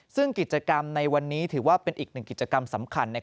ซึ่งกิจกรรมในวันนี้ถือว่าเป็นอีกหนึ่งกิจกรรมสำคัญ